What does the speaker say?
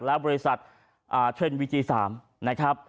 และบริษัทเทรนด์วีจี๓นะครับ